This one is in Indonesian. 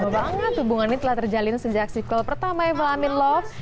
lama banget hubungannya telah terjalin sejak sequel pertama evil i'm in love